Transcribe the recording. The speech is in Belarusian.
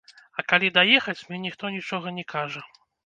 А калі даехаць, мне ніхто нічога не кажа.